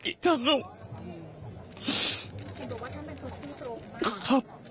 ปี๖๕วันเช่นเดียวกัน